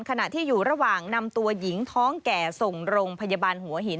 ขณะที่อยู่ระหว่างนำตัวหญิงท้องแก่ส่งโรงพยาบาลหัวหิน